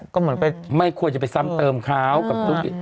ก็เหมือนไปไม่ควรจะไปซ้ำเติมเขากับธุรกิจ